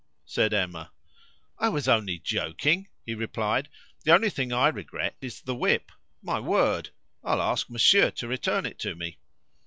said Emma. "I was only joking," he replied; "the only thing I regret is the whip. My word! I'll ask monsieur to return it to me."